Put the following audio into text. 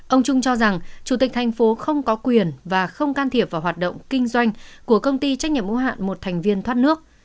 ông trung cho rằng chủ tịch thành phố không có quyền và không can thiệp vào hoạt động kinh doanh của công ty trách nhiệm mô hạn một thành viên thoát nước